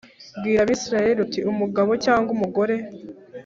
Bwira abisirayeli uti umugabo cyangwa umugore